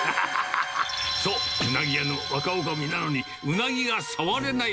そう、うなぎ屋の若おかみなのに、うなぎが触れない。